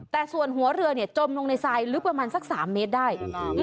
แต่ส่วนหัวเรือจมลงในทรายลึกประมาณสัก๓เมตรได้